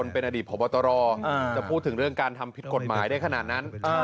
เป็นอดีตพบตรจะพูดถึงเรื่องการทำผิดกฎหมายได้ขนาดนั้น